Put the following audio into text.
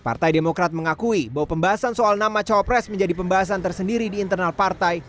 partai demokrat mengakui bahwa pembahasan soal nama cawapres menjadi pembahasan tersendiri di internal partai